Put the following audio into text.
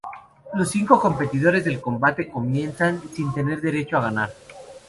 Los cinco competidores del combate comienzan "sin tener derecho" a ganar.